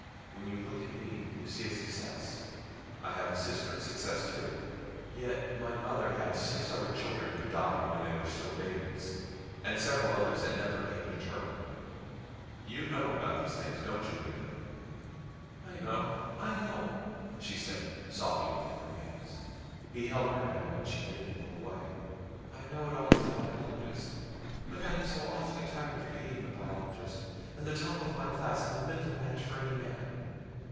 When you look at me, you see a success. I have a sister a success too. Yet my mother had six other children who died when they were still babies. And several others that never came to term. You know about these things, don't you, Lea?" "I know, I know ..." she said sobbing into her hands. He held her now and she didn't pull away. "I know it all as a biologist but I am so awfully tired of being a biologist, and top of my class and a mental match for any man.